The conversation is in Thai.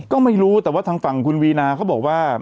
ก็ไม่รู้แต่ว่าทางฝั่งคุณวีนาเขาบอกว่า